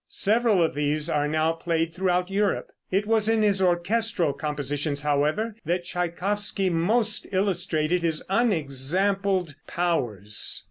Several of these are now played throughout Europe. It was in his orchestral compositions, however, that Tschaikowsky most illustrated his unexampled powers.